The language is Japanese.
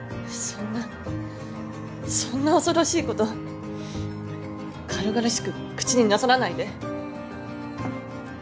そんな恐ろしいこと軽々しく口になさらないで。